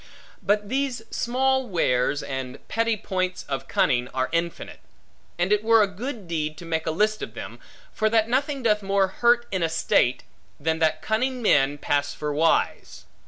But these small wares, and petty points, of cunning, are infinite; and it were a good deed to make a list of them; for that nothing doth more hurt in a state, than that cunning men pass for wise.